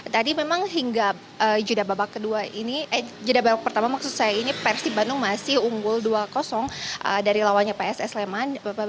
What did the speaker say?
tadi memang hingga babak pertama maksud saya ini persib bandung masih unggul dua dari lawannya pss leman